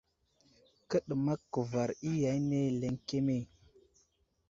Kəɗəmak kuvar iya ane ləŋkeme ?